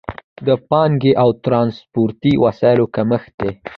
د پانګې او ترانسپورتي وسایلو کمښت دی.